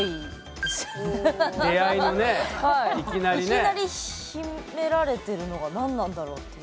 いきなり秘められてるのが何なんだろうっていう。